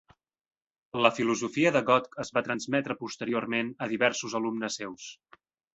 La filosofia de Gotch es va transmetre posteriorment a diversos alumnes seus.